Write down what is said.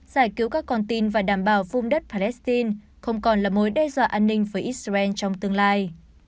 giải cứu các con tin và đảm bảo vung đất palestine không còn là mối đe dọa an ninh với israel trong tương lai